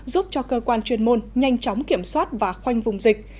giúp cho cơ quan chuyên môn nhanh chóng kiểm soát và khoanh vùng dịch